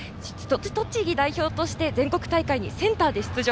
栃木代表として全国大会にセンターで出場。